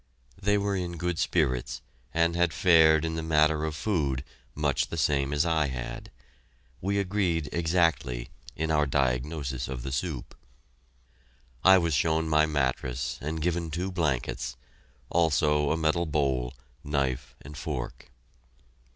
They were in good spirits, and had fared in the matter of food much the same as I had. We agreed exactly in our diagnosis of the soup. I was shown my mattress and given two blankets; also a metal bowl, knife, and fork.